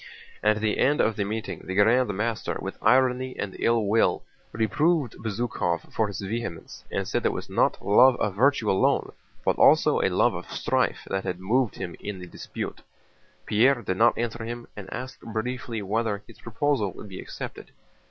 At the end of the meeting the Grand Master with irony and ill will reproved Bezúkhov for his vehemence and said it was not love of virtue alone, but also a love of strife that had moved him in the dispute. Pierre did not answer him and asked briefly whether his proposal would be accepted.